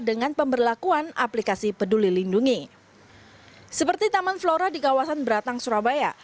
dengan pemberlakuan aplikasi peduli lindungi seperti taman flora di kawasan beratang surabaya